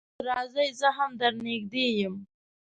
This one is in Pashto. تاسو راځئ زه هم در نږدې يم